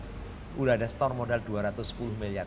sudah ada store modal dua ratus sepuluh miliar